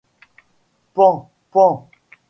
Pan, pan !